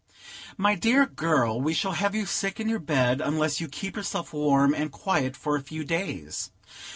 "My dear girl, we shall have you sick in your bed, unless you keep yourself warm and quiet for a few days.